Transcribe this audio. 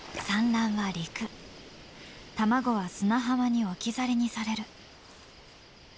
卵は砂浜に置き去りにされる。